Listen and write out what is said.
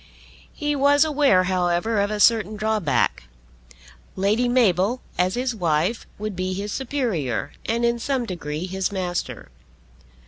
He was aware, however, of a certain drawback. Lady Mabel as his wife would be his superior, and in some degree his master.